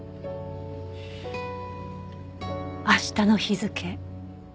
明日の日付。